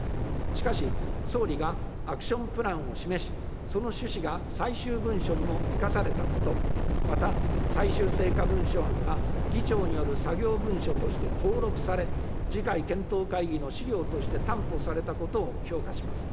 しかし、総理がアクション・プランを示し、その趣旨が最終文書にも生かされたこと、また最終成果文書案が議長による作業文書として登録され、次回検討会議の資料として担保されたことを評価します。